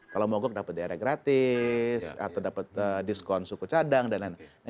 kalau mau gok dapat diarah gratis atau dapat diskon suku cadang dan lain lain